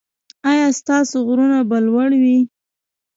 ایا ستاسو غرونه به لوړ وي؟